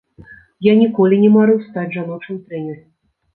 Я ніколі не марыў стаць жаночым трэнерам.